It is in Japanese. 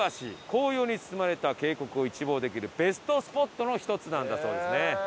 紅葉に包まれた渓谷を一望できるベストスポットの１つなんだそうですね。